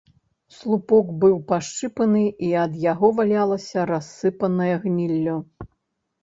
Слупок быў пашчыпаны, і ад яго валялася рассыпанае гніллё.